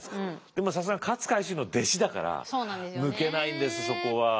でもさすがに勝海舟の弟子だから抜けないんですそこは。